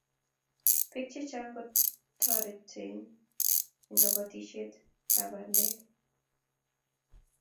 beek chechang ko toretuu en kabotishee kab bantek